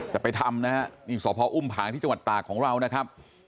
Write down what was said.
แต่ไปทำนะฮะนี่สพอุ้มผางที่จังหวัดตากของเรานะครับ